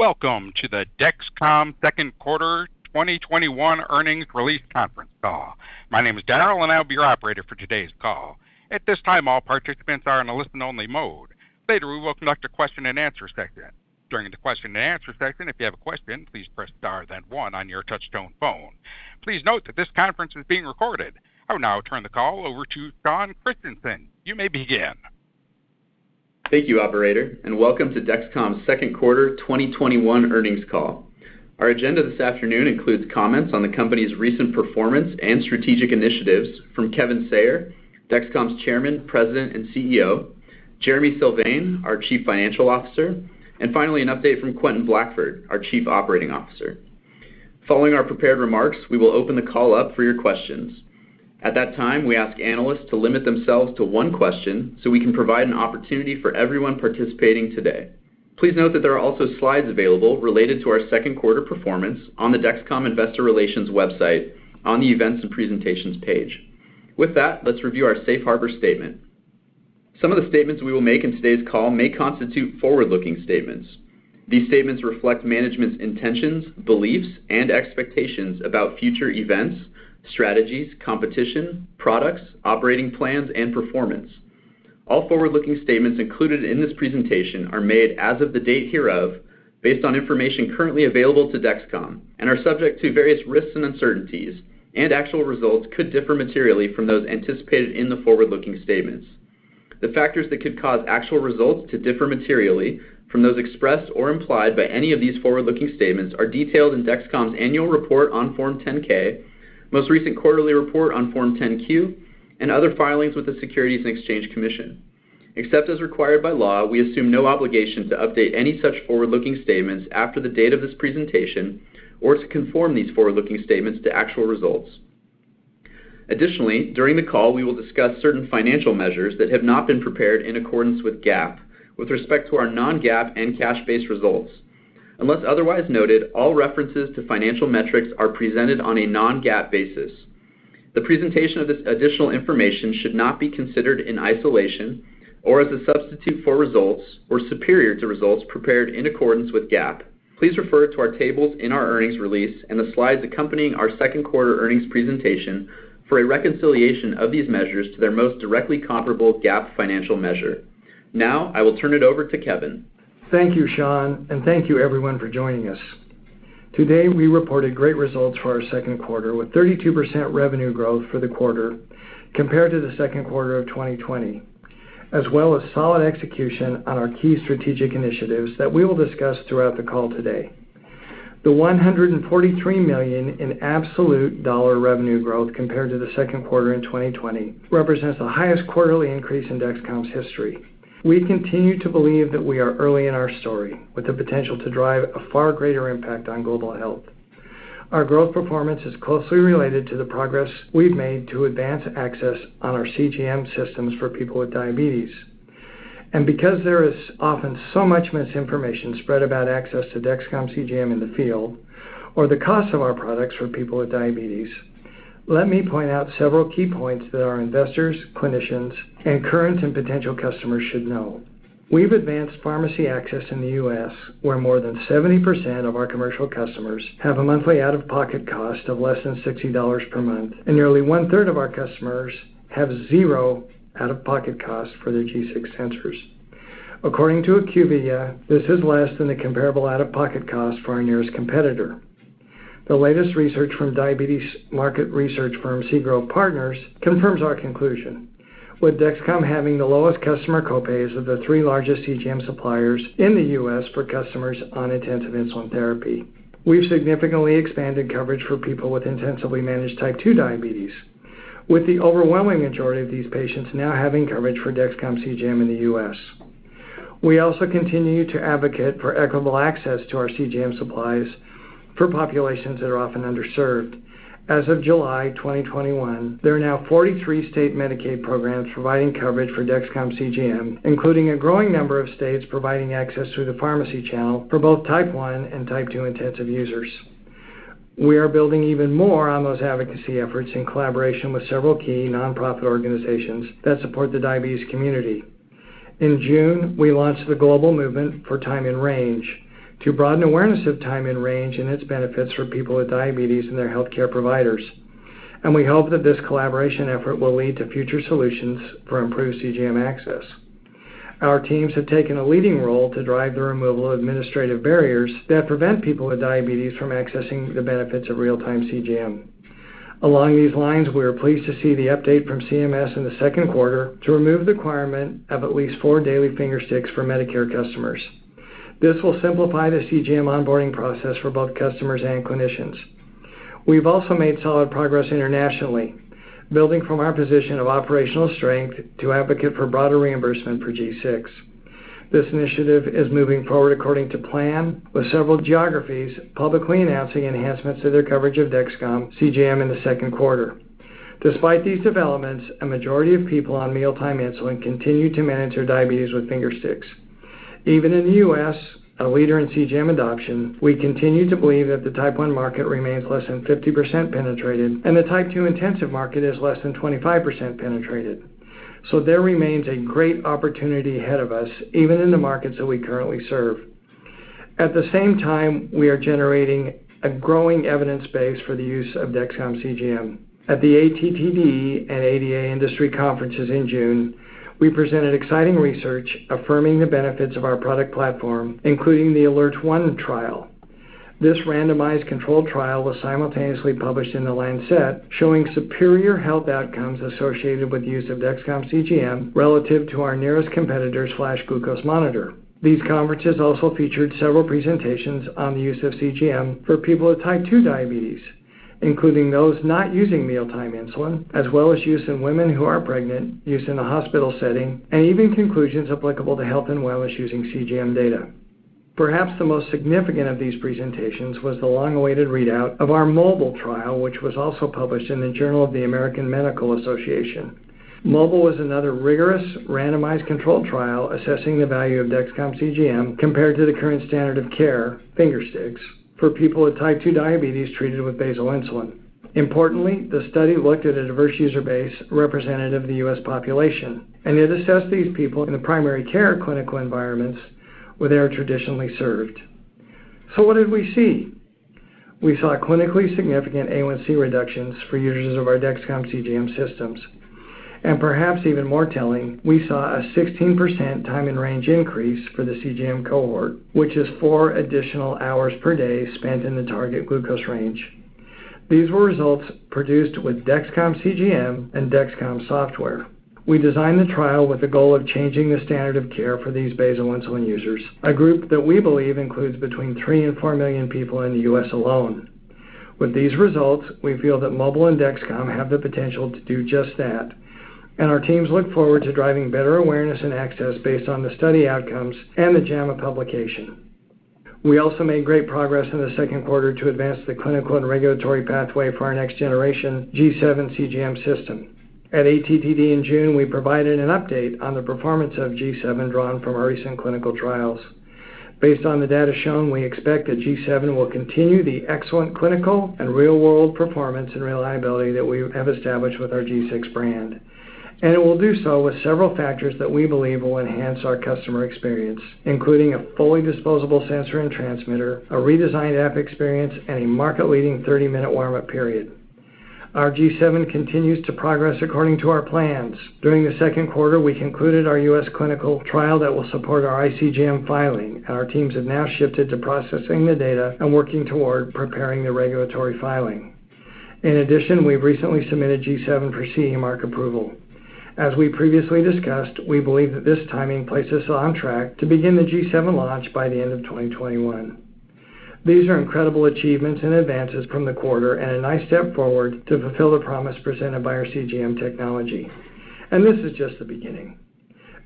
Welcome to the Dexcom second quarter 2021 earnings release conference call. My name is Daryl, and I'll be your operator for today's call. At this time, all participants are in a listen-only mode. Later, we will conduct a question and answer session. During the question and answer session, if you have a question, please press star then one on your touchtone phone. Please note that this conference is being recorded. I will now turn the call over to Sean Christensen. You may begin. Thank you, operator, and welcome to Dexcom's second quarter 2021 earnings call. Our agenda this afternoon includes comments on the company's recent performance and strategic initiatives from Kevin Sayer, Dexcom's Chairman, President, and CEO, Jereme Sylvain, our Chief Financial Officer, and finally an update from Quentin Blackford, our Chief Operating Officer. Following our prepared remarks, we will open the call up for your questions. At that time, we ask analysts to limit themselves to one question so we can provide an opportunity for everyone participating today. Please note that there are also slides available related to our second quarter performance on the Dexcom investor relations website on the Events and Presentations page. With that, let's review our Safe Harbor statement. Some of the statements we will make in today's call may constitute forward-looking statements. These statements reflect management's intentions, beliefs, and expectations about future events, strategies, competition, products, operating plans, and performance. All forward-looking statements included in this presentation are made as of the date hereof based on information currently available to Dexcom and are subject to various risks and uncertainties, and actual results could differ materially from those anticipated in the forward-looking statements. The factors that could cause actual results to differ materially from those expressed or implied by any of these forward-looking statements are detailed in Dexcom's annual report on Form 10-K, most recent quarterly report on Form 10-Q, and other filings with the Securities and Exchange Commission. Except as required by law, we assume no obligation to update any such forward-looking statements after the date of this presentation or to conform these forward-looking statements to actual results. Additionally, during the call, we will discuss certain financial measures that have not been prepared in accordance with GAAP with respect to our non-GAAP and cash-based results. Unless otherwise noted, all references to financial metrics are presented on a non-GAAP basis. The presentation of this additional information should not be considered in isolation or as a substitute for results or superior to results prepared in accordance with GAAP. Please refer to our tables in our earnings release and the slides accompanying our second quarter earnings presentation for a reconciliation of these measures to their most directly comparable GAAP financial measure. Now, I will turn it over to Kevin. Thank you, Sean, and thank you everyone for joining us. Today, we reported great results for our second quarter with 32% revenue growth for the quarter compared to the second quarter of 2020, as well as solid execution on our key strategic initiatives that we will discuss throughout the call today. The $143 million in absolute dollar revenue growth compared to the second quarter in 2020 represents the highest quarterly increase in Dexcom's history. We continue to believe that we are early in our story, with the potential to drive a far greater impact on global health. Our growth performance is closely related to the progress we've made to advance access on our CGM systems for people with diabetes. Because there is often so much misinformation spread about access to Dexcom CGM in the field or the cost of our products for people with diabetes, let me point out several key points that our investors, clinicians, and current and potential customers should know. We've advanced pharmacy access in the U.S., where more than 70% of our commercial customers have a monthly out-of-pocket cost of less than $60 per month, and nearly one-third of our customers have zero out-of-pocket cost for their G6 sensors. According to IQVIA, this is less than the comparable out-of-pocket cost for our nearest competitor. The latest research from diabetes market research firm Sea Growth Partners confirms our conclusion, with Dexcom having the lowest customer co-pays of the three largest CGM suppliers in the U.S. for customers on intensive insulin therapy. We've significantly expanded coverage for people with intensively managed type 2 diabetes, with the overwhelming majority of these patients now having coverage for Dexcom CGM in the U.S. We continue to advocate for equitable access to our CGM supplies for populations that are often underserved. As of July 2021, there are now 43 state Medicaid programs providing coverage for Dexcom CGM, including a growing number of states providing access through the pharmacy channel for both type 1 and type 2 intensive users. We are building even more on those advocacy efforts in collaboration with several key nonprofit organizations that support the diabetes community. In June, we launched the Global Movement for Time in Range to broaden awareness of time in range and its benefits for people with diabetes and their healthcare providers. We hope that this collaboration effort will lead to future solutions for improved CGM access. Our teams have taken a leading role to drive the removal of administrative barriers that prevent people with diabetes from accessing the benefits of real-time CGM. Along these lines, we are pleased to see the update from CMS in the second quarter to remove the requirement of at least four daily finger sticks for Medicare customers. This will simplify the CGM onboarding process for both customers and clinicians. We've also made solid progress internationally, building from our position of operational strength to advocate for broader reimbursement for G6. This initiative is moving forward according to plan, with several geographies publicly announcing enhancements to their coverage of Dexcom CGM in the second quarter. Despite these developments, a majority of people on mealtime insulin continue to manage their diabetes with finger sticks. Even in the U.S., a leader in CGM adoption, we continue to believe that the type 1 market remains less than 50% penetrated and the type 2 intensive market is less than 25% penetrated. There remains a great opportunity ahead of us, even in the markets that we currently serve. At the ATTD and ADA industry conferences in June, we presented exciting research affirming the benefits of our product platform, including the ALERTT1 trial. This randomized controlled trial was simultaneously published in The Lancet, showing superior health outcomes associated with use of Dexcom CGM relative to our nearest competitor's flash glucose monitor. These conferences also featured several presentations on the use of CGM for people with type 2 diabetes, including those not using mealtime insulin, as well as use in women who are pregnant, use in a hospital setting, and even conclusions applicable to health and wellness using CGM data. Perhaps the most significant of these presentations was the long-awaited readout of our MOBILE trial, which was also published in the Journal of the American Medical Association. MOBILE was another rigorous randomized controlled trial assessing the value of Dexcom CGM compared to the current standard of care, finger sticks, for people with type 2 diabetes treated with basal insulin. Importantly, the study looked at a diverse user base representative of the U.S. population, and it assessed these people in the primary care clinical environments where they are traditionally served. What did we see? We saw clinically significant A1C reductions for users of our Dexcom CGM systems. Perhaps even more telling, we saw a 16% time in range increase for the CGM cohort, which is four additional hours per day spent in the target glucose range. These were results produced with Dexcom CGM and Dexcom software. We designed the trial with the goal of changing the standard of care for these basal insulin users, a group that we believe includes between 3 million and million people in the U.S. alone. With these results, we feel that MOBILE and Dexcom have the potential to do just that, and our teams look forward to driving better awareness and access based on the study outcomes and the JAMA publication. We also made great progress in the second quarter to advance the clinical and regulatory pathway for our next generation G7 CGM system. At ATTD in June, we provided an update on the performance of G7 drawn from our recent clinical trials. Based on the data shown, we expect that G7 will continue the excellent clinical and real-world performance and reliability that we have established with our G6 brand. It will do so with several factors that we believe will enhance our customer experience, including a fully disposable sensor and transmitter, a redesigned app experience, and a market-leading 30-minute warm-up period. Our G7 continues to progress according to our plans. During the second quarter, we concluded our U.S. clinical trial that will support our iCGM filing, and our teams have now shifted to processing the data and working toward preparing the regulatory filing. In addition, we've recently submitted G7 for CE Mark approval. As we previously discussed, we believe that this timing places us on track to begin the G7 launch by the end of 2021. These are incredible achievements and advances from the quarter and a nice step forward to fulfill the promise presented by our CGM technology. This is just the beginning.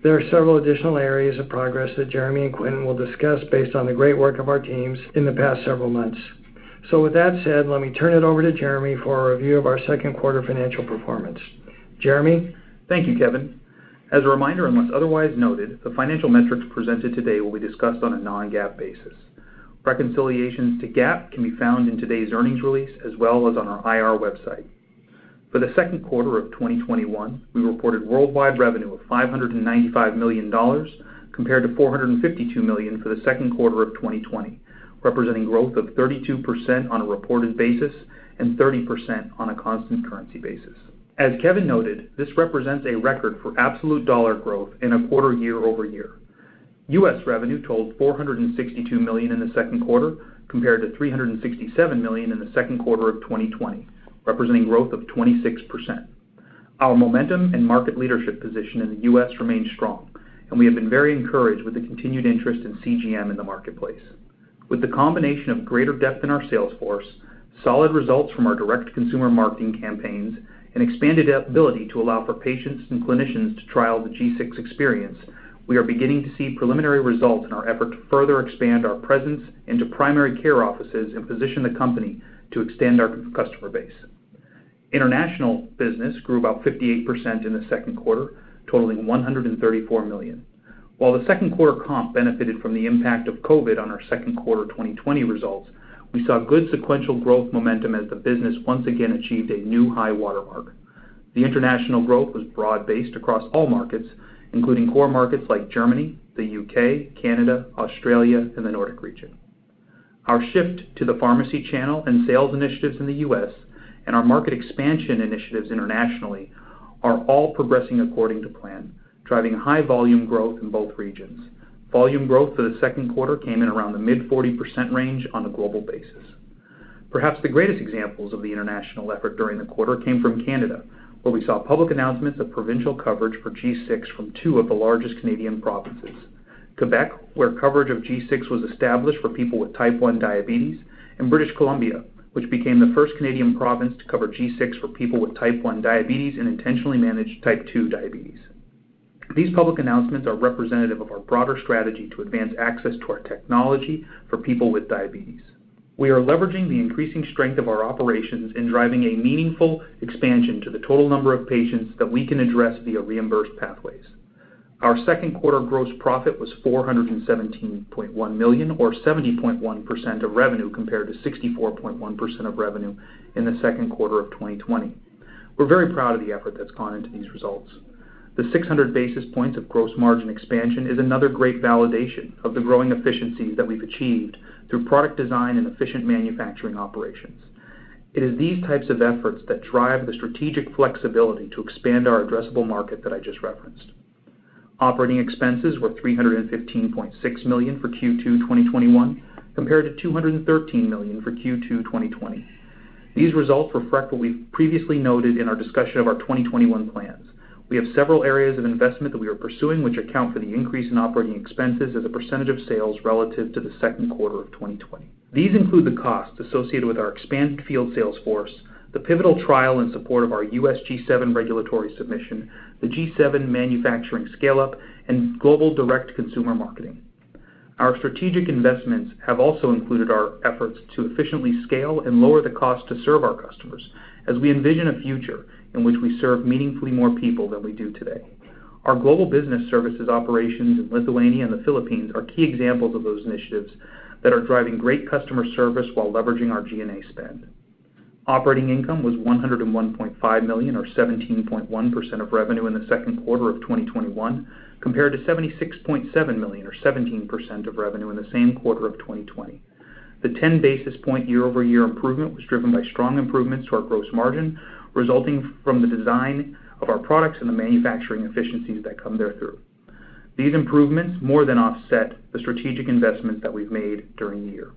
There are several additional areas of progress that Jereme and Quentin will discuss based on the great work of our teams in the past several months. With that said, let me turn it over to Jereme for a review of our second quarter financial performance. Jereme? Thank you, Kevin. As a reminder, unless otherwise noted, the financial metrics presented today will be discussed on a non-GAAP basis. Reconciliations to GAAP can be found in today's earnings release, as well as on our IR website. For the second quarter of 2021, we reported worldwide revenue of $595 million compared to $452 million for the second quarter of 2020, representing growth of 32% on a reported basis and 30% on a constant currency basis. As Kevin noted, this represents a record for absolute dollar growth in a quarter year-over-year. U.S. revenue totaled $462 million in the second quarter compared to $367 million in the second quarter of 2020, representing growth of 26%. Our momentum and market leadership position in the U.S. remains strong, and we have been very encouraged with the continued interest in CGM in the marketplace. With the combination of greater depth in our sales force, solid results from our direct-to-consumer marketing campaigns, and expanded ability to allow for patients and clinicians to trial the G6 experience, we are beginning to see preliminary results in our effort to further expand our presence into primary care offices and position the company to extend our customer base. International business grew about 58% in the second quarter, totaling $134 million. The second quarter comp benefited from the impact of COVID on our second quarter 2020 results, we saw good sequential growth momentum as the business once again achieved a new high-water mark. The international growth was broad-based across all markets, including core markets like Germany, the U.K., Canada, Australia, and the Nordic region. Our shift to the pharmacy channel and sales initiatives in the U.S. and our market expansion initiatives internationally are all progressing according to plan, driving high volume growth in both regions. Volume growth for the second quarter came in around the mid-40% range on a global basis. Perhaps the greatest examples of the international effort during the quarter came from Canada, where we saw public announcements of provincial coverage for G6 from two of the largest Canadian provinces. Quebec, where coverage of G6 was established for people with type 1 diabetes, and British Columbia, which became the first Canadian province to cover G6 for people with type 1 diabetes and intensively managed type 2 diabetes. These public announcements are representative of our broader strategy to advance access to our technology for people with diabetes. We are leveraging the increasing strength of our operations in driving a meaningful expansion to the total number of patients that we can address via reimbursed pathways. Our second quarter gross profit was $417.1 million, or 70.1% of revenue, compared to 64.1% of revenue in the second quarter of 2020. We're very proud of the effort that's gone into these results. The 600 basis points of gross margin expansion is another great validation of the growing efficiencies that we've achieved through product design and efficient manufacturing operations. It is these types of efforts that drive the strategic flexibility to expand our addressable market that I just referenced. Operating expenses were $315.6 million for Q2 2021, compared to $213 million for Q2 2020. These results reflect what we've previously noted in our discussion of our 2021 plans. We have several areas of investment that we are pursuing which account for the increase in operating expenses as a percentage of sales relative to the second quarter of 2020. These include the costs associated with our expanded field sales force, the pivotal trial and support of our U.S. G7 regulatory submission, the G7 manufacturing scale-up, and global direct consumer marketing. Our strategic investments have also included our efforts to efficiently scale and lower the cost to serve our customers, as we envision a future in which we serve meaningfully more people than we do today. Our global business services operations in Lithuania and the Philippines are key examples of those initiatives that are driving great customer service while leveraging our G&A spend. Operating income was $101.5 million, or 17.1% of revenue in the second quarter of 2021, compared to $76.7 million, or 17% of revenue in the same quarter of 2020. The 10 basis point year-over-year improvement was driven by strong improvements to our gross margin resulting from the design of our products and the manufacturing efficiencies that come there through. These improvements more than offset the strategic investments that we've made during the year.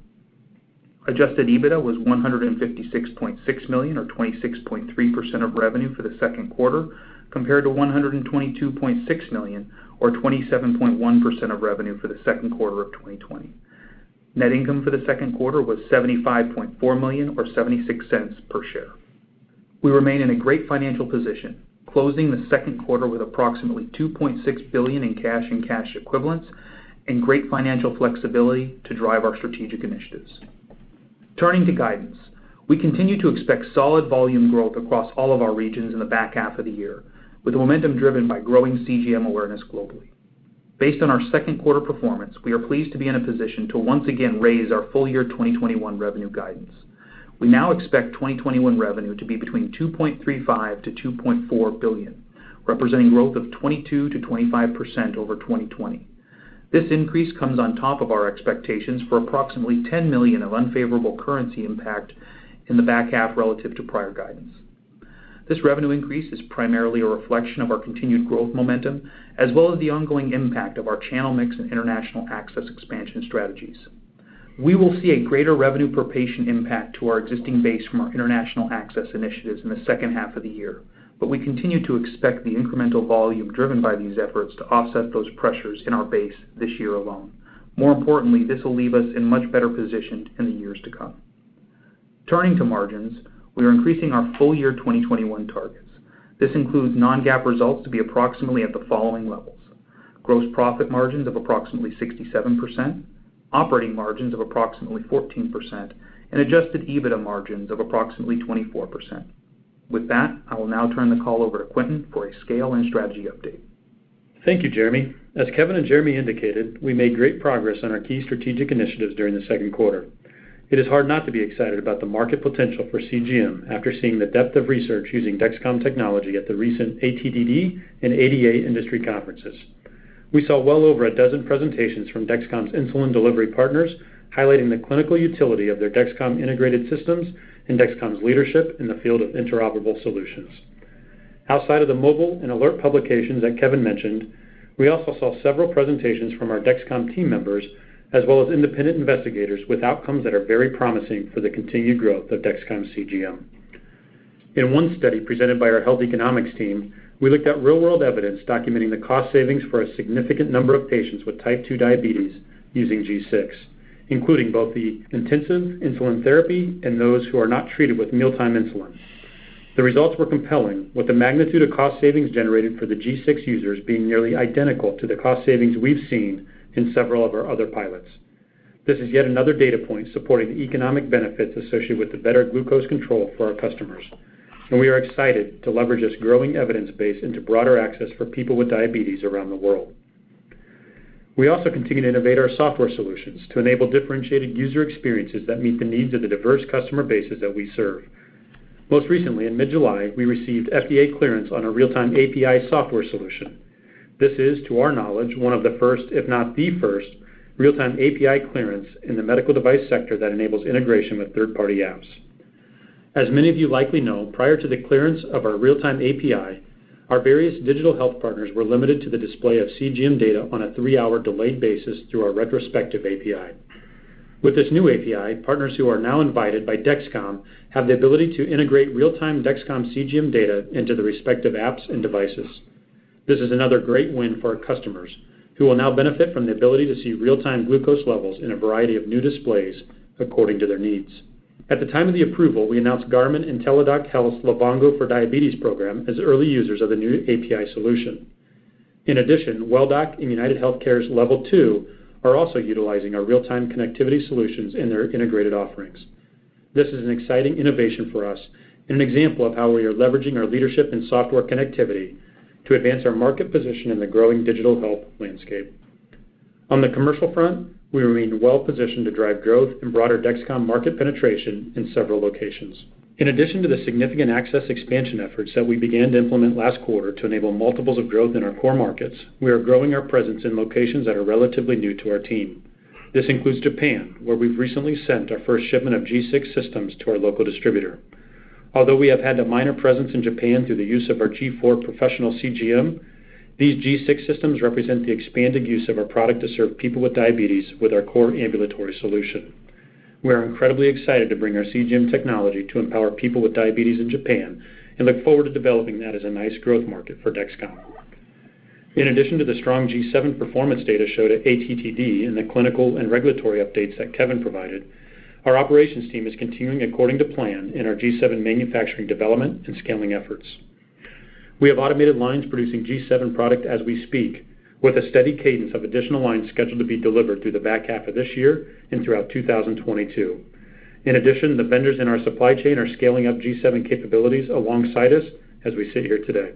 Adjusted EBITDA was $156.6 million, or 26.3% of revenue for the second quarter, compared to $122.6 million, or 27.1% of revenue for the second quarter of 2020. Net income for the second quarter was $75.4 million or $0.76 per share. We remain in a great financial position, closing the second quarter with approximately $2.6 billion in cash and cash equivalents and great financial flexibility to drive our strategic initiatives. Turning to guidance, we continue to expect solid volume growth across all of our regions in the back half of the year, with momentum driven by growing CGM awareness globally. Based on our second quarter performance, we are pleased to be in a position to once again raise our full year 2021 revenue guidance. We now expect 2021 revenue to be between $2.35 billion-$2.4 billion, representing growth of 22%-25% over 2020. This increase comes on top of our expectations for approximately $10 million of unfavorable currency impact in the back half relative to prior guidance. This revenue increase is primarily a reflection of our continued growth momentum, as well as the ongoing impact of our channel mix and international access expansion strategies. We will see a greater revenue per patient impact to our existing base from our international access initiatives in the second half of the year. We continue to expect the incremental volume driven by these efforts to offset those pressures in our base this year alone. More importantly, this will leave us in much better position in the years to come. Turning to margins, we are increasing our full year 2021 targets. This includes non-GAAP results to be approximately at the following levels: gross profit margins of approximately 67%, operating margins of approximately 14%, and adjusted EBITDA margins of approximately 24%. With that, I will now turn the call over to Quentin for a scale and strategy update. Thank you, Jereme. As Kevin and Jereme indicated, we made great progress on our key strategic initiatives during the second quarter. It is hard not to be excited about the market potential for CGM after seeing the depth of research using Dexcom technology at the recent ATTD and ADA industry conferences. We saw well over a dozen presentations from Dexcom's insulin delivery partners highlighting the clinical utility of their Dexcom integrated systems and Dexcom's leadership in the field of interoperable solutions. Outside of the MOBILE and ALERTT publications that Kevin mentioned, we also saw several presentations from our Dexcom team members, as well as independent investigators with outcomes that are very promising for the continued growth of Dexcom CGM. In one study presented by our health economics team, we looked at real-world evidence documenting the cost savings for a significant number of patients with type 2 diabetes using G6, including both the intensive insulin therapy and those who are not treated with mealtime insulin. The results were compelling, with the magnitude of cost savings generated for the G6 users being nearly identical to the cost savings we've seen in several of our other pilots. This is yet another data point supporting the economic benefits associated with the better glucose control for our customers, and we are excited to leverage this growing evidence base into broader access for people with diabetes around the world. We also continue to innovate our software solutions to enable differentiated user experiences that meet the needs of the diverse customer bases that we serve. Most recently, in mid-July, we received FDA clearance on a real-time API software solution. This is, to our knowledge, one of the first, if not the first, real-time API clearance in the medical device sector that enables integration with third-party apps. As many of you likely know, prior to the clearance of our real-time API, our various digital health partners were limited to the display of CGM data on a three-hour delayed basis through our retrospective API. With this new API, partners who are now invited by Dexcom have the ability to integrate real-time Dexcom CGM data into the respective apps and devices. This is another great win for our customers, who will now benefit from the ability to see real-time glucose levels in a variety of new displays according to their needs. At the time of the approval, we announced Garmin and Teladoc Health's Livongo for Diabetes program as early users of the new API solution. In addition, Welldoc and UnitedHealthcare's Level2 are also utilizing our real-time connectivity solutions in their integrated offerings. This is an exciting innovation for us and an example of how we are leveraging our leadership in software connectivity to advance our market position in the growing digital health landscape. On the commercial front, we remain well-positioned to drive growth and broader Dexcom market penetration in several locations. In addition to the significant access expansion efforts that we began to implement last quarter to enable multiples of growth in our core markets, we are growing our presence in locations that are relatively new to our team. This includes Japan, where we've recently sent our first shipment of G6 systems to our local distributor. Although we have had a minor presence in Japan through the use of our G4 Professional CGM, these G6 systems represent the expanded use of our product to serve people with diabetes with our core ambulatory solution. We are incredibly excited to bring our CGM technology to empower people with diabetes in Japan and look forward to developing that as a nice growth market for Dexcom. In addition to the strong G7 performance data showed at ATTD and the clinical and regulatory updates that Kevin provided, our operations team is continuing according to plan in our G7 manufacturing development and scaling efforts. We have automated lines producing G7 product as we speak, with a steady cadence of additional lines scheduled to be delivered through the back half of this year and throughout 2022. In addition, the vendors in our supply chain are scaling up G7 capabilities alongside us as we sit here today.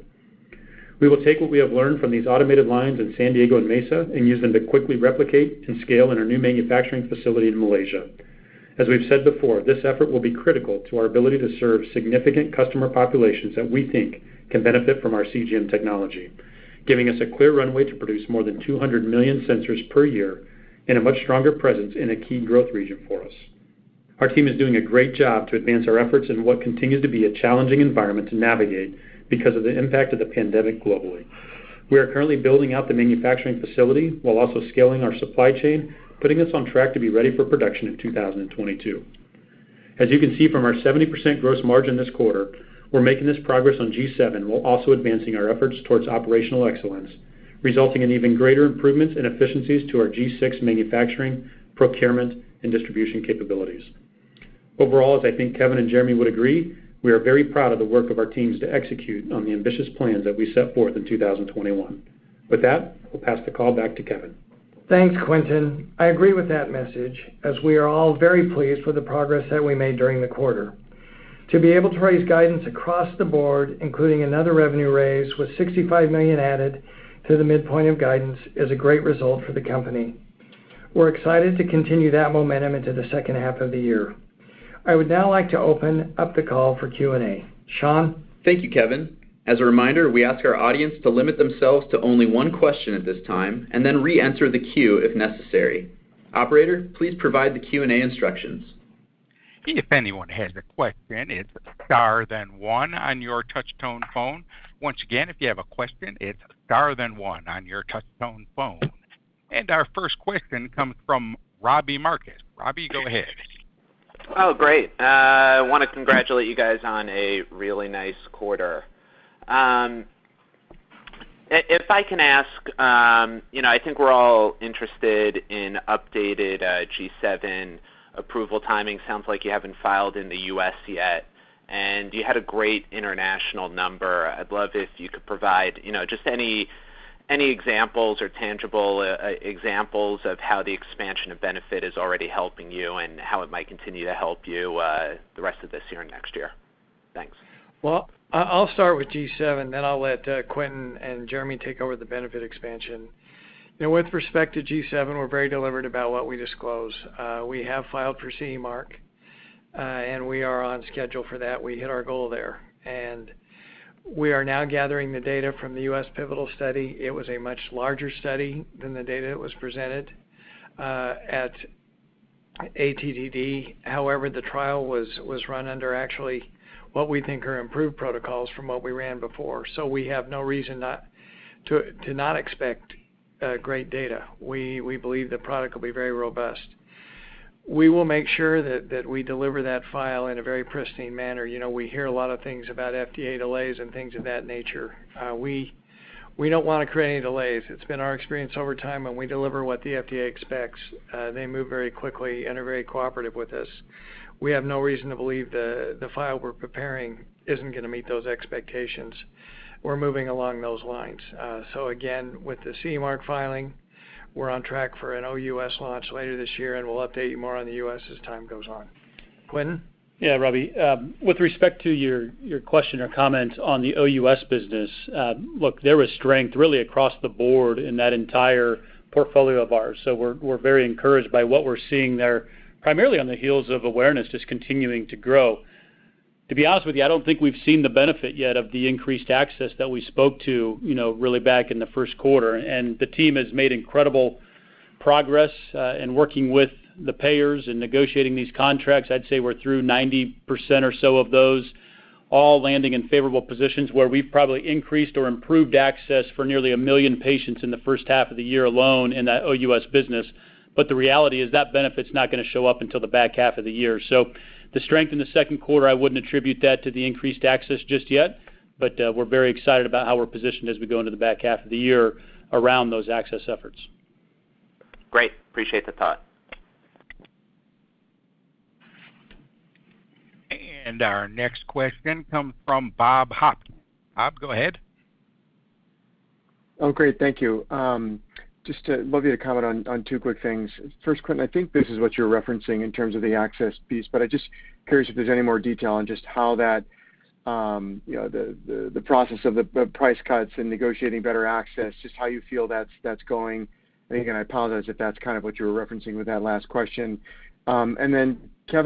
We will take what we have learned from these automated lines in San Diego and Mesa and use them to quickly replicate and scale in our new manufacturing facility in Malaysia. As we've said before, this effort will be critical to our ability to serve significant customer populations that we think can benefit from our CGM technology, giving us a clear runway to produce more than 200 million sensors per year and a much stronger presence in a key growth region for us. Our team is doing a great job to advance our efforts in what continues to be a challenging environment to navigate because of the impact of the pandemic globally. We are currently building out the manufacturing facility while also scaling our supply chain, putting us on track to be ready for production in 2022. As you can see from our 70% gross margin this quarter, we're making this progress on G7 while also advancing our efforts towards operational excellence, resulting in even greater improvements and efficiencies to our G6 manufacturing, procurement, and distribution capabilities. Overall, as I think Kevin and Jereme would agree, we are very proud of the work of our teams to execute on the ambitious plans that we set forth in 2021. With that, we'll pass the call back to Kevin. Thanks, Quentin. I agree with that message. We are all very pleased with the progress that we made during the quarter. To be able to raise guidance across the board, including another revenue raise with $65 million added to the midpoint of guidance, is a great result for the company. We're excited to continue that momentum into the second half of the year. I would now like to open up the call for Q and A. Sean? Thank you, Kevin. As a reminder, we ask our audience to limit themselves to only one question at this time and then re-enter the queue if necessary. Operator, please provide the Q and A instructions. If anyone has a question, it's star then one on your touchtone phone. Once again, if you have a question it's star then one on your touchtone phone. Our first question comes from Robbie Marcus. Robbie, go ahead. Oh, great. I want to congratulate you guys on a really nice quarter. If I can ask, I think we're all interested in updated G7 approval timing. Sounds like you haven't filed in the U.S. yet, and you had a great international number. I'd love if you could provide just any examples or tangible examples of how the expansion of benefit is already helping you and how it might continue to help you the rest of this year and next year. Thanks. I'll start with G7, then I'll let Quentin and Jereme take over the benefit expansion. With respect to G7, we're very deliberate about what we disclose. We have filed for CE Mark, and we are on schedule for that. We hit our goal there, and we are now gathering the data from the U.S. pivotal study. It was a much larger study than the data that was presented at ATTD. However, the trial was run under actually what we think are improved protocols from what we ran before. We have no reason to not expect great data. We believe the product will be very robust. We will make sure that we deliver that file in a very pristine manner. We hear a lot of things about FDA delays and things of that nature. We don't want to create any delays. It's been our experience over time when we deliver what the FDA expects, they move very quickly and are very cooperative with us. We have no reason to believe the file we're preparing isn't going to meet those expectations. We're moving along those lines. Again, with the CE Mark filing, we're on track for an OUS launch later this year, and we'll update you more on the U.S. as time goes on. Quentin? Yeah, Robbie. With respect to your question or comment on the OUS business, look, there was strength really across the board in that entire portfolio of ours. We're very encouraged by what we're seeing there, primarily on the heels of awareness just continuing to grow. To be honest with you, I don't think we've seen the benefit yet of the increased access that we spoke to really back in the first quarter. The team has made incredible progress in working with the payers and negotiating these contracts. I'd say we're through 90% or so of those all landing in favorable positions where we've probably increased or improved access for nearly a million patients in the first half of the year alone in that OUS business. The reality is that benefit's not going to show up until the back half of the year. The strength in the second quarter, I wouldn't attribute that to the increased access just yet, but we're very excited about how we're positioned as we go into the back half of the year around those access efforts. Great. Appreciate the thought. Our next question comes from Bob Hopkins. Bob, go ahead. Oh, great. Thank you. Just love you to comment on two quick things. First, Quentin, I think this is what you're referencing in terms of the access piece, but I'm just curious if there's any more detail on just the process of the price cuts and negotiating better access, just how you feel that's going. Again, I apologize if that's kind of what you were referencing with that last question. Kevin,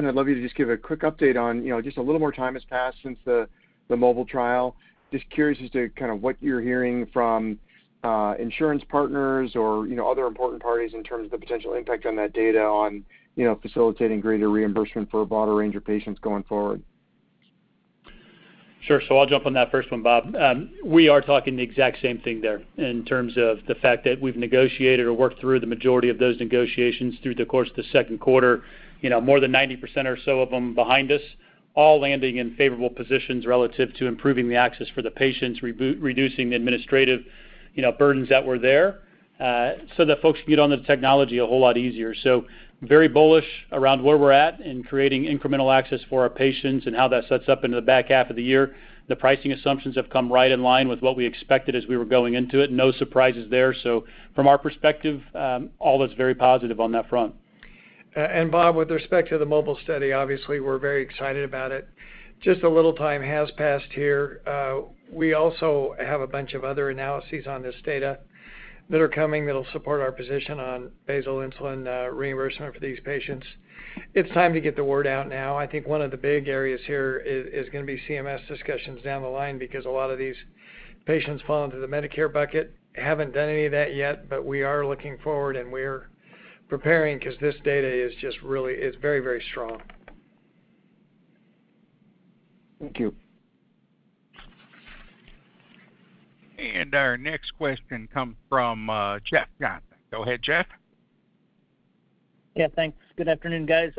I'd love you to just give a quick update on, just a little more time has passed since the MOBILE trial. Just curious as to kind of what you're hearing from insurance partners or other important parties in terms of the potential impact on that data on facilitating greater reimbursement for a broader range of patients going forward. Sure. I'll jump on that first one, Bob. We are talking the exact same thing there in terms of the fact that we've negotiated or worked through the majority of those negotiations through the course of the second quarter. More than 90% or so of them behind us, all landing in favorable positions relative to improving the access for the patients, reducing the administrative burdens that were there, so that folks can get on the technology a whole lot easier. Very bullish around where we're at in creating incremental access for our patients and how that sets up into the back half of the year. The pricing assumptions have come right in line with what we expected as we were going into it. No surprises there. From our perspective, all is very positive on that front. Bob, with respect to the MOBILE study, obviously, we're very excited about it. Just a little time has passed here. We also have a bunch of other analyses on this data that are coming that'll support our position on basal insulin reimbursement for these patients. It's time to get the word out now. I think one of the big areas here is going to be CMS discussions down the line because a lot of these patients fall into the Medicare bucket. Haven't done any of that yet, but we are looking forward, and we're preparing because this data is very, very strong. Thank you. Our next question comes from Jeff Johnson. Go ahead, Jeff. Thanks. Good afternoon, guys.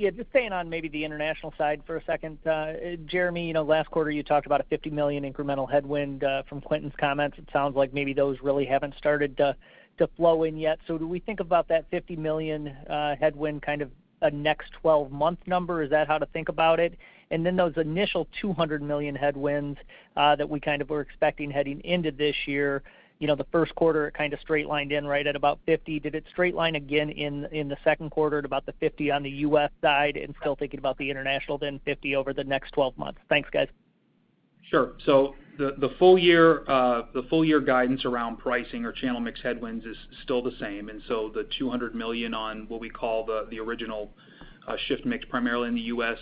Just staying on maybe the international side for a second. Jereme, last quarter you talked about a $50 million incremental headwind. From Quentin's comments, it sounds like maybe those really haven't started to flow in yet. Do we think about that $50 million headwind kind of a next 12-month number? Is that how to think about it? Those initial $200 million headwinds that we kind of were expecting heading into this year, the first quarter kind of straight lined in right at about $50 million. Did it straight line again in the second quarter at about the $50 million on the U.S. side and still thinking about the international then $50 million over the next 12 months? Thanks, guys. Sure. The full year guidance around pricing or channel mix headwinds is still the same. The $200 million on what we call the original shift mix primarily in the U.S.,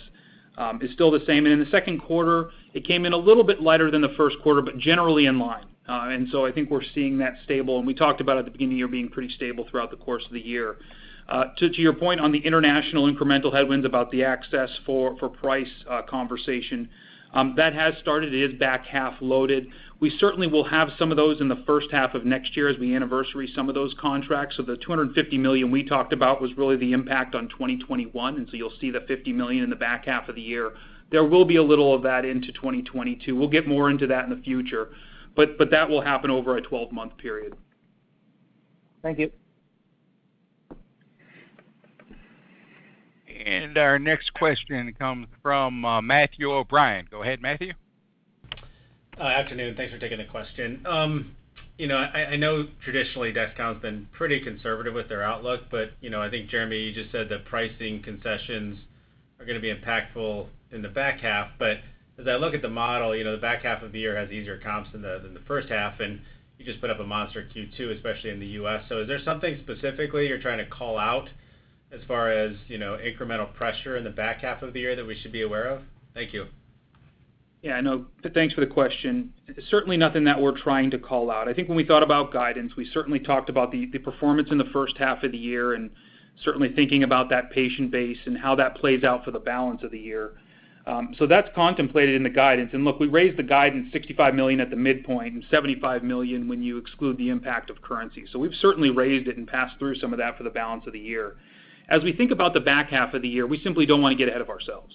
is still the same. In the second quarter, it came in a little bit lighter than the first quarter, but generally in line. I think we're seeing that stable, and we talked about at the beginning of the year being pretty stable throughout the course of the year. To your point on the international incremental headwinds about the access for price conversation, that has started. It is back half loaded. We certainly will have some of those in the first half of next year as we anniversary some of those contracts. The $250 million we talked about was really the impact on 2021, you'll see the $50 million in the back half of the year. There will be a little of that into 2022. We'll get more into that in the future. That will happen over a 12-month period. Thank you. Our next question comes from Matthew O'Brien. Go ahead, Matthew. Afternoon. Thanks for taking the question. I know traditionally Dexcom's been pretty conservative with their outlook, but I think Jereme, you just said that pricing concessions are going to be impactful in the back half, but as I look at the model, the back half of the year has easier comps than the first half, and you just put up a monster Q2, especially in the U.S. Is there something specifically you're trying to call out as far as incremental pressure in the back half of the year that we should be aware of? Thank you. Yeah, I know. Thanks for the question. Certainly nothing that we're trying to call out. I think when we thought about guidance, we certainly talked about the performance in the first half of the year and certainly thinking about that patient base and how that plays out for the balance of the year. That's contemplated in the guidance. Look, we raised the guidance $65 million at the midpoint and $75 million when you exclude the impact of currency. We've certainly raised it and passed through some of that for the balance of the year. As we think about the back half of the year, we simply don't want to get ahead of ourselves.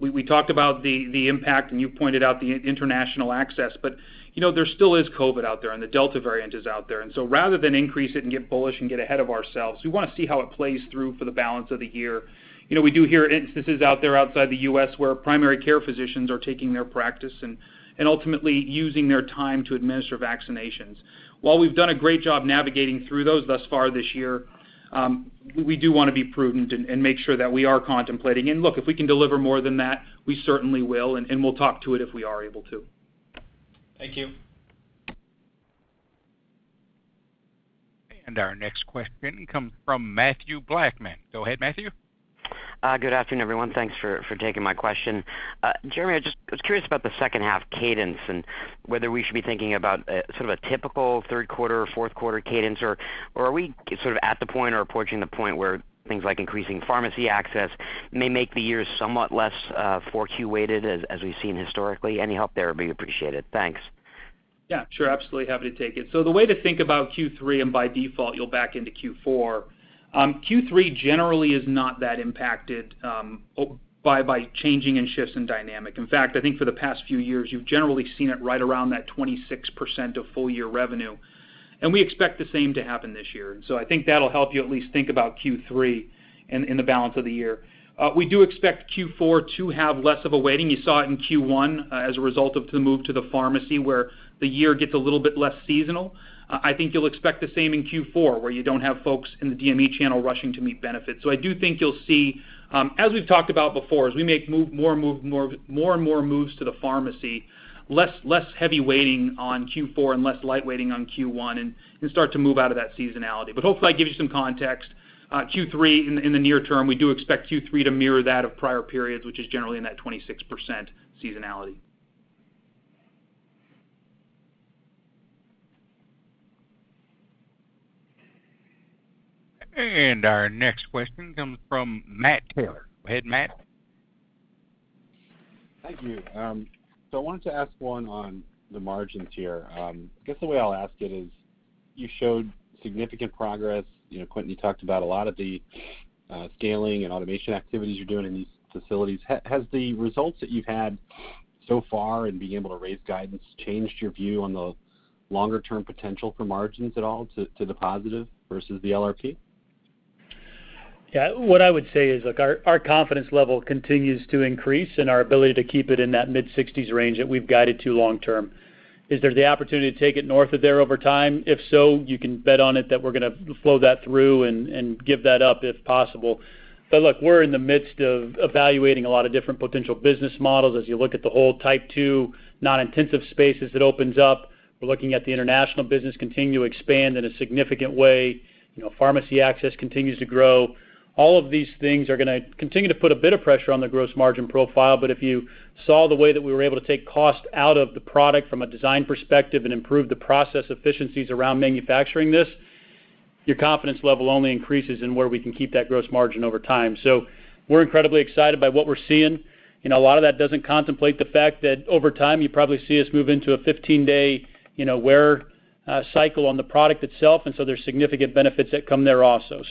We talked about the impact, and you pointed out the international access, but there still is COVID out there, and the Delta variant is out there, and so rather than increase it and get bullish and get ahead of ourselves, we want to see how it plays through for the balance of the year. We do hear instances out there outside the U.S. where primary care physicians are taking their practice and ultimately using their time to administer vaccinations. While we've done a great job navigating through those thus far this year, we do want to be prudent and make sure that we are contemplating. Look, if we can deliver more than that, we certainly will, and we'll talk to it if we are able to. Thank you. Our next question comes from Mathew Blackman. Go ahead, Matthew. Good afternoon, everyone. Thanks for taking my question. Jereme, I just was curious about the second half cadence and whether we should be thinking about sort of a typical third quarter or fourth quarter cadence, or are we sort of at the point or approaching the point where things like increasing pharmacy access may make the year somewhat less 4Q weighted as we've seen historically? Any help there would be appreciated. Thanks. Yeah, sure. Absolutely happy to take it. The way to think about Q3, and by default, you'll back into Q4. Q3 generally is not that impacted by changing and shifts in dynamic. In fact, I think for the past few years, you've generally seen it right around that 26% of full year revenue. We expect the same to happen this year. I think that'll help you at least think about Q3 and the balance of the year. We do expect Q4 to have less of a weighting. You saw it in Q1 as a result of the move to the pharmacy, where the year gets a little bit less seasonal. I think you'll expect the same in Q4, where you don't have folks in the DME channel rushing to meet benefits. I do think you'll see, as we've talked about before, as we make more and more moves to the pharmacy, less heavy weighting on Q4 and less light weighting on Q1 and start to move out of that seasonality. Hopefully, that gives you some context. Q3, in the near term, we do expect Q3 to mirror that of prior periods, which is generally in that 26% seasonality. Our next question comes from Matt Taylor. Go ahead, Matt. Thank you. I wanted to ask one on the margins here. I guess the way I'll ask it is, you showed significant progress. Quentin, you talked about a lot of the scaling and automation activities you're doing in these facilities. Has the results that you've had so far and being able to raise guidance changed your view on the longer-term potential for margins at all to the positive versus the LRP? Yeah. What I would say is, look, our confidence level continues to increase and our ability to keep it in that mid-60s range that we've guided to long term. Is there the opportunity to take it north of there over time? If so, you can bet on it that we're going to flow that through and give that up if possible. Look, we're in the midst of evaluating a lot of different potential business models. As you look at the whole type 2 non-intensive space as it opens up, we're looking at the international business continue to expand in a significant way. Pharmacy access continues to grow. All of these things are going to continue to put a bit of pressure on the gross margin profile. If you saw the way that we were able to take cost out of the product from a design perspective and improve the process efficiencies around manufacturing this, your confidence level only increases in where we can keep that gross margin over time. We're incredibly excited by what we're seeing. A lot of that doesn't contemplate the fact that over time, you probably see us move into a 15-day wear cycle on the product itself. There's significant benefits that come there also.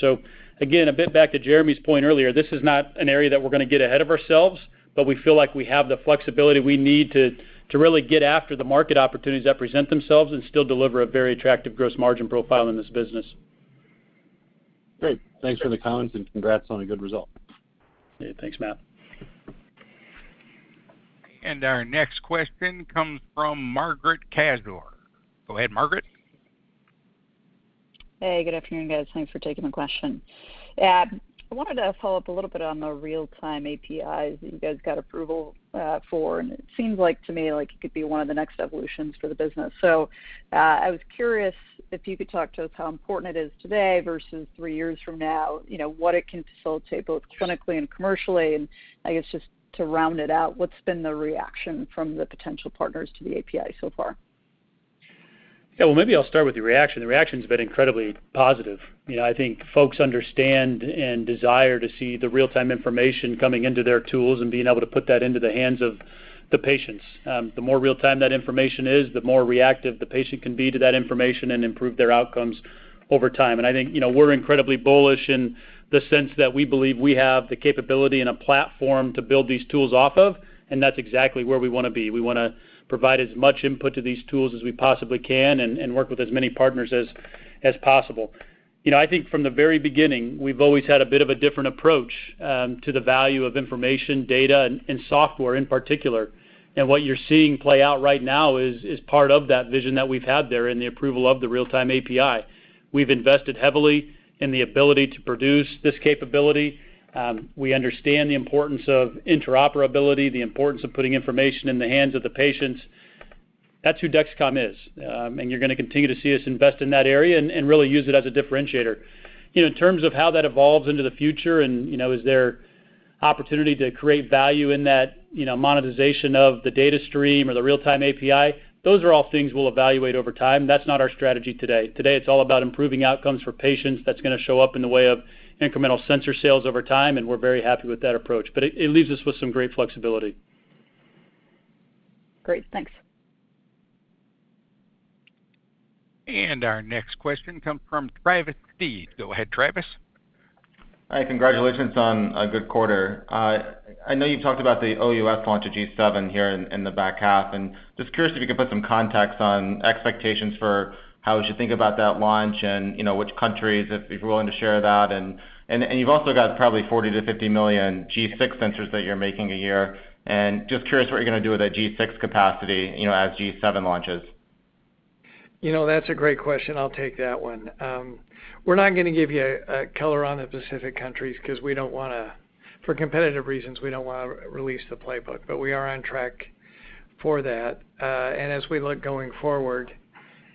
Again, a bit back to Jereme's point earlier. This is not an area that we're going to get ahead of ourselves, but we feel like we have the flexibility we need to really get after the market opportunities that present themselves and still deliver a very attractive gross margin profile in this business. Great. Thanks for the comments, and congrats on a good result. Yeah. Thanks, Matt. Our next question comes from Margaret Kaczor. Go ahead, Margaret. Hey, good afternoon, guys. Thanks for taking the question. I wanted to follow up a little bit on the real-time APIs that you guys got approval for, and it seems like to me like it could be one of the next evolutions for the business. I was curious if you could talk to us how important it is today versus three years from now, what it can facilitate both clinically and commercially, and I guess just to round it out, what's been the reaction from the potential partners to the API so far? Yeah. Well, maybe I'll start with the reaction. The reaction's been incredibly positive. I think folks understand and desire to see the real-time information coming into their tools and being able to put that into the hands of the patients. The more real time that information is, the more reactive the patient can be to that information and improve their outcomes over time. I think we're incredibly bullish in the sense that we believe we have the capability and a platform to build these tools off of, and that's exactly where we want to be. We want to provide as much input to these tools as we possibly can and work with as many partners as possible. I think from the very beginning, we've always had a bit of a different approach to the value of information, data, and software in particular. What you're seeing play out right now is part of that vision that we've had there in the approval of the real-time API. We've invested heavily in the ability to produce this capability. We understand the importance of interoperability, the importance of putting information in the hands of the patients. That's who Dexcom is. You're going to continue to see us invest in that area and really use it as a differentiator. In terms of how that evolves into the future and is there opportunity to create value in that monetization of the data stream or the real-time API, those are all things we'll evaluate over time. That's not our strategy today. Today, it's all about improving outcomes for patients. That's going to show up in the way of incremental sensor sales over time, and we're very happy with that approach. It leaves us with some great flexibility. Great. Thanks. Our next question comes from Travis Steed. Go ahead, Travis. Hi. Congratulations on a good quarter. I know you've talked about the OUS launch of G7 here in the back half, and just curious if you could put some context on expectations for how we should think about that launch and which countries, if you're willing to share that? You've also got probably 40 million-50 million G6 sensors that you're making a year, and just curious what you're going to do with that G6 capacity as G7 launches? That's a great question. I'll take that one. We're not going to give you a color on the specific countries because for competitive reasons, we don't want to release the playbook. We are on track for that. As we look going forward,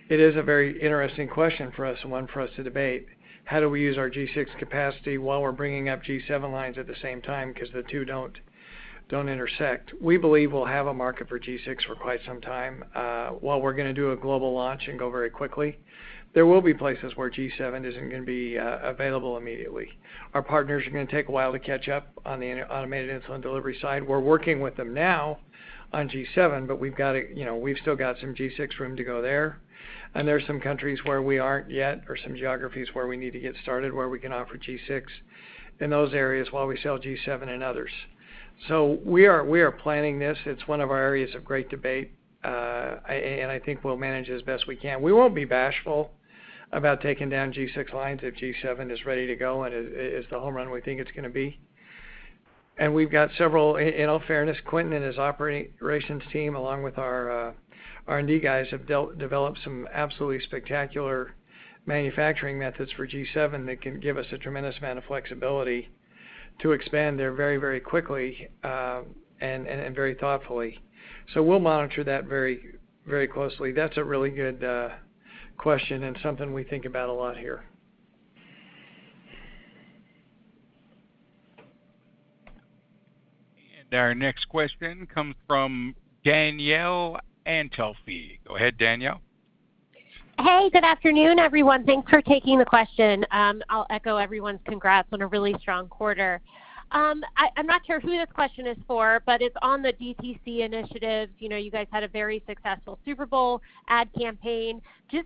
it is a very interesting question for us and one for us to debate. How do we use our G6 capacity while we're bringing up G7 lines at the same time? The two don't intersect. We believe we'll have a market for G6 for quite some time. While we're going to do a global launch and go very quickly, there will be places where G7 isn't going to be available immediately. Our partners are going to take a while to catch up on the automated insulin delivery side. We're working with them now on G7, but we've still got some G6 room to go there. There are some countries where we aren't yet, or some geographies where we need to get started, where we can offer G6 in those areas while we sell G7 in others. We are planning this. It's one of our areas of great debate, and I think we'll manage it as best we can. We won't be bashful about taking down G6 lines if G7 is ready to go and is the home run we think it's going to be. In all fairness, Quentin and his operations team, along with our R&D guys, have developed some absolutely spectacular manufacturing methods for G7 that can give us a tremendous amount of flexibility to expand there very quickly and very thoughtfully. We'll monitor that very closely. That's a really good question and something we think about a lot here. Our next question comes from Danielle Antalffy. Go ahead, Danielle. Hey, good afternoon, everyone. Thanks for taking the question. I'll echo everyone's congrats on a really strong quarter. I'm not sure who this question is for, but it's on the DTC initiatives. You guys had a very successful Super Bowl ad campaign.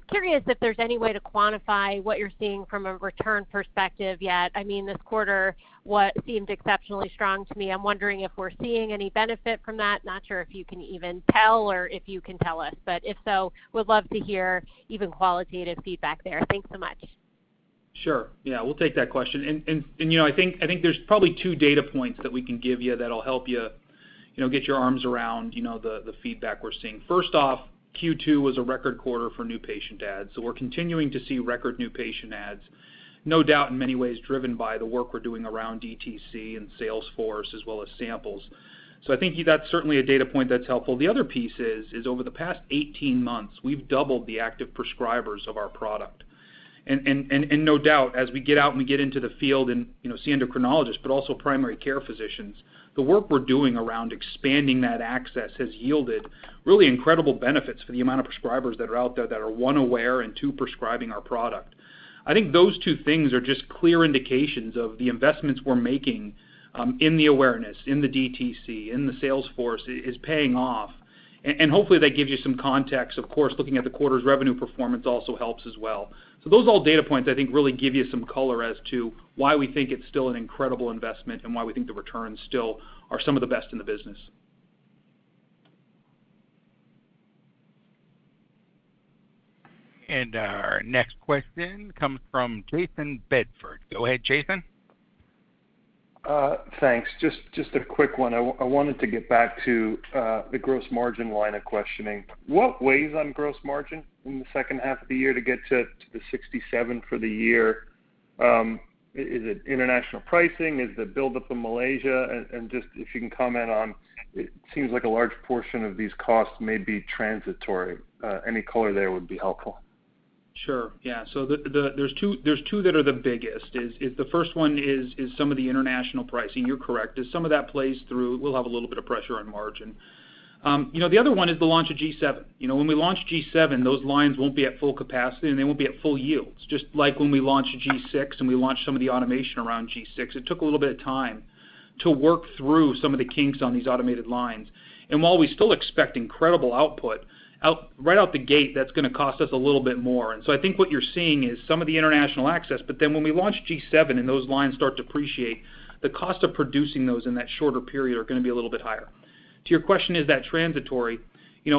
Curious if there's any way to quantify what you're seeing from a return perspective yet. I mean, this quarter, what seemed exceptionally strong to me. I'm wondering if we're seeing any benefit from that. Not sure if you can even tell or if you can tell us. If so, would love to hear even qualitative feedback there. Thanks so much. Sure. Yeah, we'll take that question. I think there's probably two data points that we can give you that'll help you get your arms around the feedback we're seeing. First off, Q2 was a record quarter for new patient adds. We're continuing to see record new patient adds, no doubt in many ways driven by the work we're doing around DTC and sales force as well as samples. I think that's certainly a data point that's helpful. The other piece is over the past 18 months, we've doubled the active prescribers of our product. No doubt, as we get out and we get into the field and see endocrinologists, but also primary care physicians, the work we're doing around expanding that access has yielded really incredible benefits for the amount of prescribers that are out there that are, one, aware, and two, prescribing our product. I think those two things are just clear indications of the investments we're making in the awareness, in the DTC, in the sales force, is paying off. Hopefully that gives you some context. Of course, looking at the quarter's revenue performance also helps as well. Those all data points I think really give you some color as to why we think it's still an incredible investment and why we think the returns still are some of the best in the business. Our next question comes from Jayson Bedford. Go ahead, Jason. Thanks. Just a quick one. I wanted to get back to the gross margin line of questioning. What weighs on gross margin in the second half of the year to get to the 67% for the year? Is it international pricing? Is it build-up in Malaysia? Just if you can comment on, it seems like a large portion of these costs may be transitory. Any color there would be helpful. Sure, yeah. There's two that are the biggest, is the first one is some of the international pricing. You're correct. As some of that plays through, we'll have a little bit of pressure on margin. The other one is the launch of G7. When we launch G7, those lines won't be at full capacity, and they won't be at full yields. Just like when we launched G6 and we launched some of the automation around G6, it took a little bit of time to work through some of the kinks on these automated lines. While we still expect incredible output, right out the gate, that's going to cost us a little bit more. I think what you're seeing is some of the international access, but then when we launch G7 and those lines start to appreciate, the cost of producing those in that shorter period are going to be a little bit higher. To your question, is that transitory?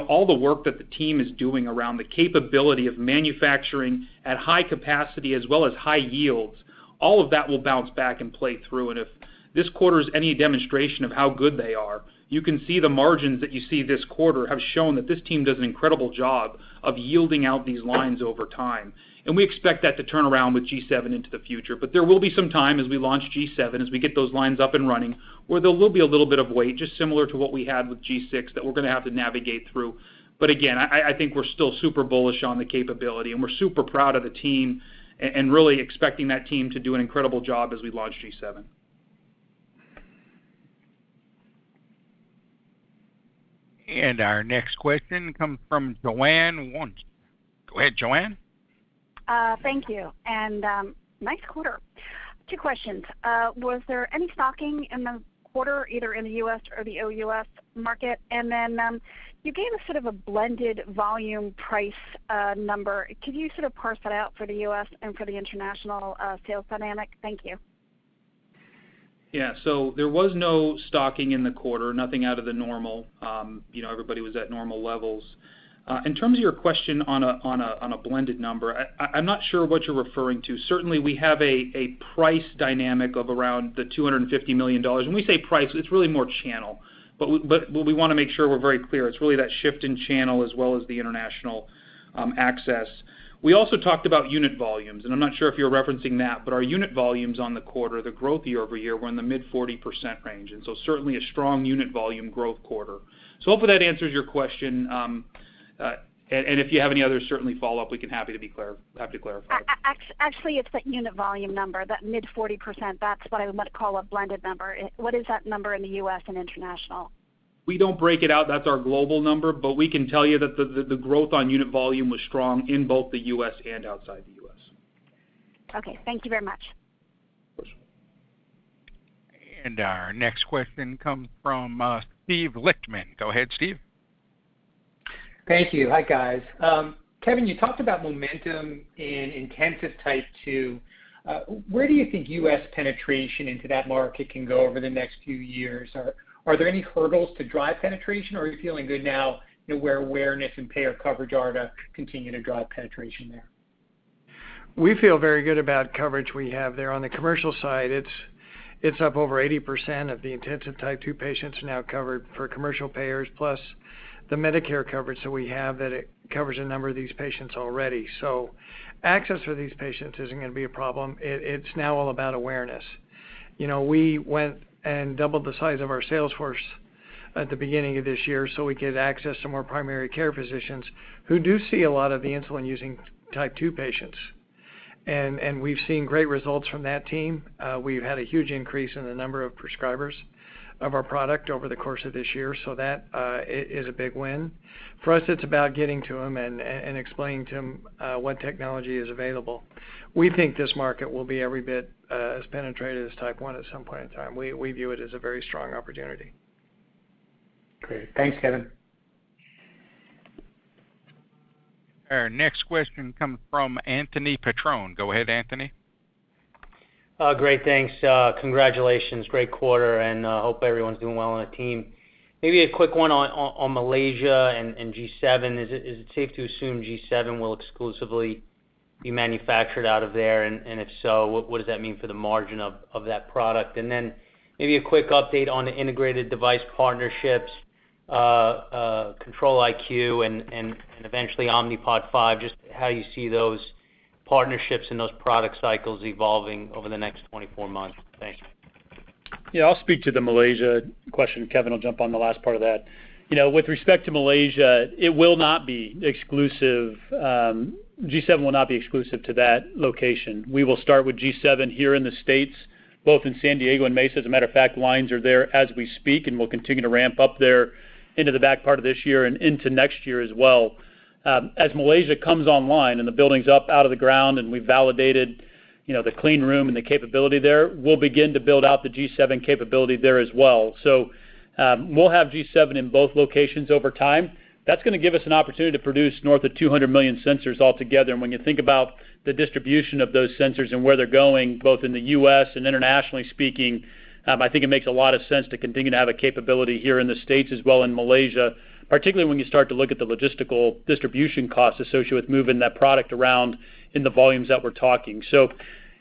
All the work that the team is doing around the capability of manufacturing at high capacity as well as high yields, all of that will bounce back and play through. If this quarter's any demonstration of how good they are, you can see the margins that you see this quarter have shown that this team does an incredible job of yielding out these lines over time. We expect that to turn around with G7 into the future. There will be some time as we launch G7, as we get those lines up and running, where there will be a little bit of wait, just similar to what we had with G6, that we're going to have to navigate through. Again, I think we're still super bullish on the capability, and we're super proud of the team and really expecting that team to do an incredible job as we launch G7. Our next question comes from Joanne Wuensch. Go ahead, Joanne. Thank you, and nice quarter. Two questions. Was there any stocking in the quarter, either in the U.S. or the OUS market? You gave us sort of a blended volume price number. Could you sort of parse that out for the U.S. and for the international sales dynamic? Thank you. Yeah. There was no stocking in the quarter, nothing out of the normal. Everybody was at normal levels. In terms of your question on a blended number, I'm not sure what you're referring to. Certainly, we have a price dynamic of around the $250 million. When we say price, it's really more channel. We want to make sure we're very clear, it's really that shift in channel as well as the international access. We also talked about unit volumes, and I'm not sure if you're referencing that, but our unit volumes on the quarter, the growth year-over-year were in the mid-40% range. Certainly a strong unit volume growth quarter. Hopefully that answers your question. If you have any others, certainly follow up. We can happy to clarify. Actually, it's that unit volume number, that mid-40%, that's what I would call a blended number. What is that number in the U.S. and international? We don't break it out. That's our global number. We can tell you that the growth on unit volume was strong in both the U.S. and outside the U.S. Okay. Thank you very much. Of course. Our next question comes from Steven Lichtman. Go ahead, Steve. Thank you. Hi, guys. Kevin, you talked about momentum in intensive type 2. Where do you think U.S. penetration into that market can go over the next few years? Are there any hurdles to drive penetration, or are you feeling good now where awareness and payer coverage are to continue to drive penetration there? We feel very good about coverage we have there. On the commercial side, it's up over 80% of the intensive type 2 patients now covered for commercial payers, plus the Medicare coverage that we have, that it covers a number of these patients already. Access for these patients isn't going to be a problem. It's now all about awareness. We went and doubled the size of our sales force at the beginning of this year so we could access some more primary care physicians who do see a lot of the insulin-using type 2 patients. We've seen great results from that team. We've had a huge increase in the number of prescribers of our product over the course of this year, that is a big win. For us, it's about getting to them and explaining to them what technology is available. We think this market will be every bit as penetrated as type 1 at some point in time. We view it as a very strong opportunity. Great. Thanks, Kevin. Our next question comes from Anthony Petrone. Go ahead, Anthony. Great. Thanks. Congratulations. Great quarter, and hope everyone's doing well on the team. Maybe a quick one on Malaysia and G7. Is it safe to assume G7 will exclusively be manufactured out of there? If so, what does that mean for the margin of that product? Then maybe a quick update on the integrated device partnerships, Control-IQ, and eventually Omnipod 5, just how you see those partnerships and those product cycles evolving over the next 24 months. Thanks. Yeah. I'll speak to the Malaysia question. Kevin will jump on the last part of that. With respect to Malaysia, G7 will not be exclusive to that location. We will start with G7 here in the States, both in San Diego and Mesa. As a matter of fact, lines are there as we speak, and we'll continue to ramp up there into the back part of this year and into next year as well. As Malaysia comes online and the building's up out of the ground and we've validated the clean room and the capability there, we'll begin to build out the G7 capability there as well. We'll have G7 in both locations over time. That's going to give us an opportunity to produce north of 200 million sensors altogether. When you think about the distribution of those sensors and where they're going, both in the U.S. and internationally speaking, I think it makes a lot of sense to continue to have a capability here in the States as well in Malaysia, particularly when you start to look at the logistical distribution costs associated with moving that product around in the volumes that we're talking.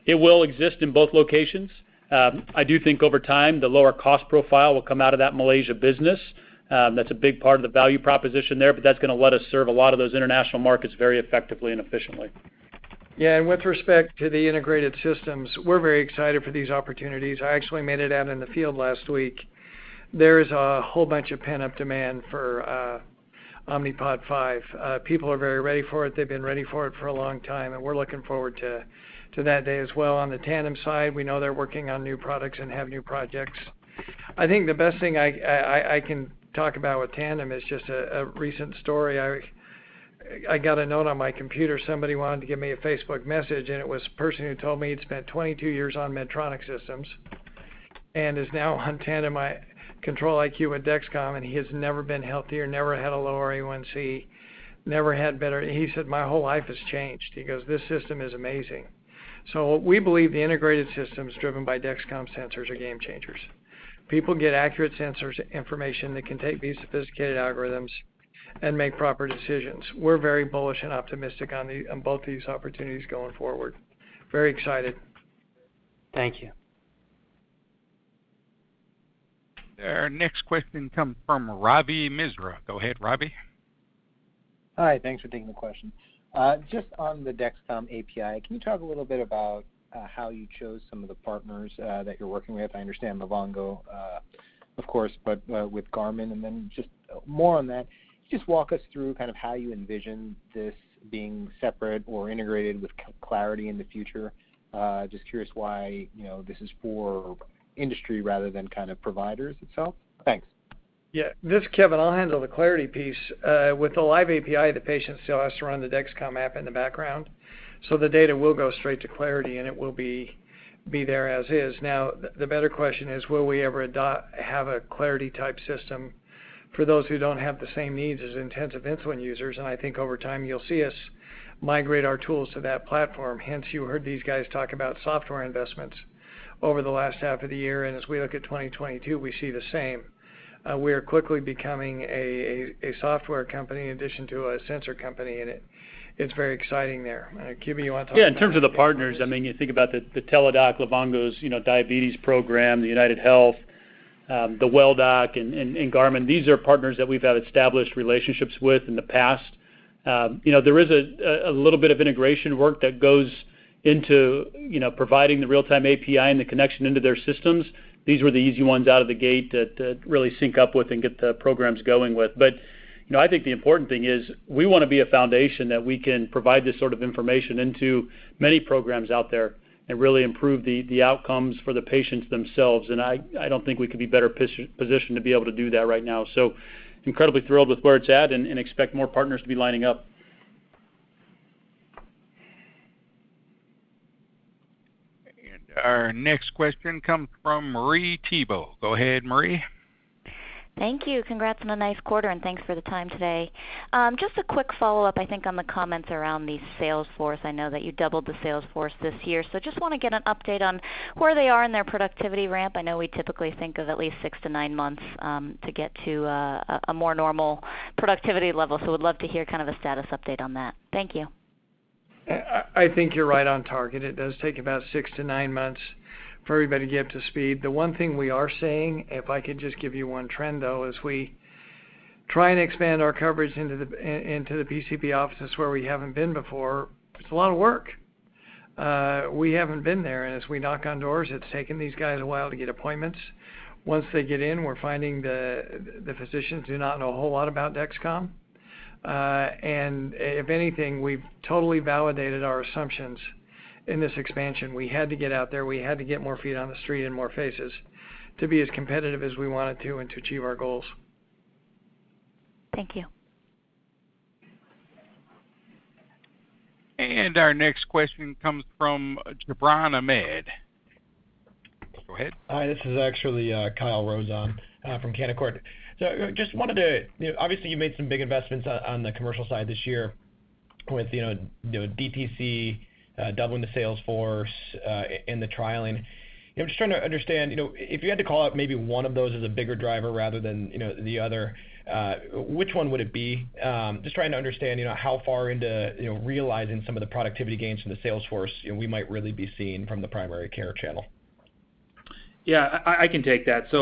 It will exist in both locations. I do think over time, the lower cost profile will come out of that Malaysia business. That's a big part of the value proposition there, but that's going to let us serve a lot of those international markets very effectively and efficiently. Yeah, and with respect to the integrated systems, we're very excited for these opportunities. I actually made it out in the field last week. There's a whole bunch of pent-up demand for Omnipod 5. People are very ready for it. They've been ready for it for a long time, and we're looking forward to that day as well. On the Tandem side, we know they're working on new products and have new projects. I think the best thing I can talk about with Tandem is just a recent story. I got a note on my computer. Somebody wanted to give me a Facebook message, and it was a person who told me he'd spent 22 years on Medtronic systems and is now on Tandem, Control-IQ with Dexcom, and he has never been healthier, never had a lower A1C, never had better. He said, "My whole life has changed." He goes, "This system is amazing." We believe the integrated systems driven by Dexcom sensors are game changers. People get accurate sensors information that can take these sophisticated algorithms and make proper decisions. We're very bullish and optimistic on both these opportunities going forward. Very excited. Thank you. Our next question comes from Ravi Misra. Go ahead, Ravi. Hi. Thanks for taking the question. Just on the Dexcom API, can you talk a little bit about how you chose some of the partners that you're working with? I understand Livongo, of course, but with Garmin and then just more on that. Can you just walk us through kind of how you envision this being separate or integrated with Clarity in the future? Just curious why this is for industry rather than kind of providers itself. Thanks. Yeah. This is Kevin. I'll handle the Clarity piece. With the live API, the patient still has to run the Dexcom app in the background. The data will go straight to Clarity, and it will be there as is. Now, the better question is, will we ever have a Clarity-type system for those who don't have the same needs as intensive insulin users? I think over time you'll see us migrate our tools to that platform. Hence, you heard these guys talk about software investments over the last half of the year, and as we look at 2022, we see the same. We are quickly becoming a software company in addition to a sensor company, and it's very exciting there. Quentin, you want to talk about- Yeah, in terms of the partners, you think about the Teladoc Livongo's diabetes program, the UnitedHealth, the Welldoc, and Garmin. These are partners that we've had established relationships with in the past. There is a little bit of integration work that goes into providing the real-time API and the connection into their systems. These were the easy ones out of the gate that really sync up with and get the programs going with. I think the important thing is we want to be a foundation that we can provide this sort of information into many programs out there and really improve the outcomes for the patients themselves. I don't think we could be better positioned to be able to do that right now. incredibly thrilled with where it's at and expect more partners to be lining up. Our next question comes from Marie Thibault. Go ahead, Marie. Thank you. Congrats on a nice quarter, and thanks for the time today. Just a quick follow-up, I think, on the comments around the sales force. I know that you doubled the sales force this year, so just want to get an update on where they are in their productivity ramp. I know we typically think of at least six to nine months to get to a more normal productivity level, so would love to hear kind of a status update on that. Thank you. I think you're right on target. It does take about six to nine months for everybody to get up to speed. The one thing we are seeing, if I could just give you one trend, though, as we try and expand our coverage into the PCP offices where we haven't been before, it's a lot of work. We haven't been there, and as we knock on doors, it's taking these guys a while to get appointments. Once they get in, we're finding the physicians do not know a whole lot about Dexcom. If anything, we've totally validated our assumptions in this expansion. We had to get out there. We had to get more feet on the street and more faces to be as competitive as we wanted to and to achieve our goals. Thank you. Our next question comes from Gibran Ahmed. Go ahead. Hi, this is actually Kyle Rose on from Canaccord. Obviously, you made some big investments on the commercial side this year with DTC, doubling the sales force, and the trialing. I'm just trying to understand, if you had to call out maybe one of those as a bigger driver rather than the other, which one would it be? Just trying to understand how far into realizing some of the productivity gains from the sales force we might really be seeing from the primary care channel. Yeah, I can take that.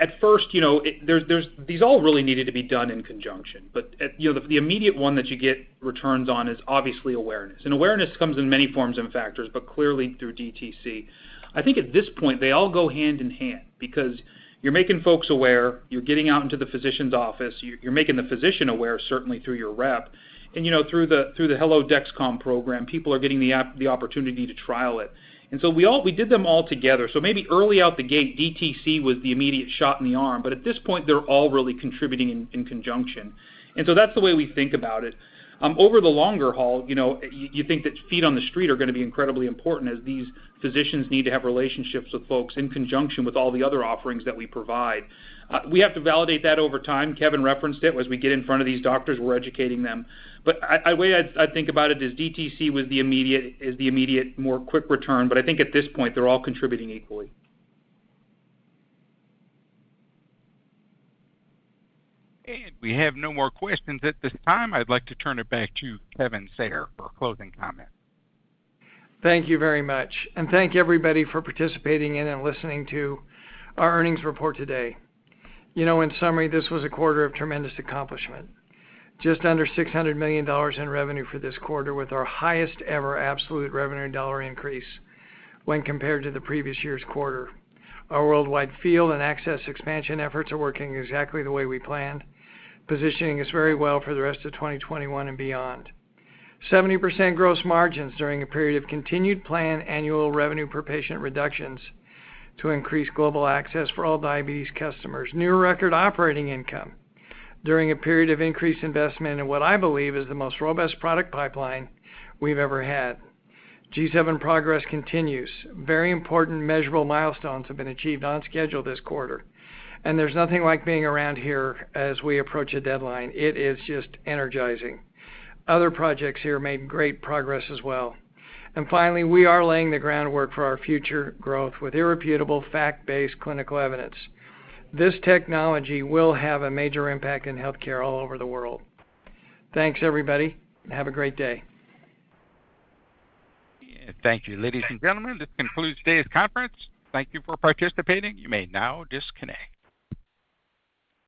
At first, these all really needed to be done in conjunction. The immediate one that you get returns on is obviously awareness. Awareness comes in many forms and factors, but clearly through DTC. I think at this point, they all go hand in hand because you're making folks aware. You're getting out into the physician's office. You're making the physician aware, certainly through your rep. Through the Hello Dexcom program, people are getting the opportunity to trial it. We did them all together. Maybe early out the gate, DTC was the immediate shot in the arm. At this point, they're all really contributing in conjunction. That's the way we think about it. Over the longer haul, you think that feet on the street are going to be incredibly important as these physicians need to have relationships with folks in conjunction with all the other offerings that we provide. We have to validate that over time. Kevin referenced it. We get in front of these doctors, we're educating them. The way I think about it is DTC is the immediate, more quick return. I think at this point, they're all contributing equally. We have no more questions at this time. I'd like to turn it back to Kevin Sayer for a closing comment. Thank you very much. Thank you, everybody, for participating in and listening to our earnings report today. In summary, this was a quarter of tremendous accomplishment. Just under $600 million in revenue for this quarter, with our highest ever absolute revenue dollar increase when compared to the previous year's quarter. Our worldwide field and access expansion efforts are working exactly the way we planned, positioning us very well for the rest of 2021 and beyond. 70% gross margins during a period of continued planned annual revenue per patient reductions to increase global access for all diabetes customers. New record operating income during a period of increased investment in what I believe is the most robust product pipeline we've ever had. G7 progress continues. Very important measurable milestones have been achieved on schedule this quarter. There's nothing like being around here as we approach a deadline. It is just energizing. Other projects here made great progress as well. Finally, we are laying the groundwork for our future growth with irrefutable fact-based clinical evidence. This technology will have a major impact in healthcare all over the world. Thanks, everybody, and have a great day. Thank you. Ladies and gentlemen, this concludes today's conference. Thank you for participating. You may now disconnect.